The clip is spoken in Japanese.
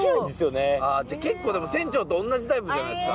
結構船長と同じタイプじゃないですか？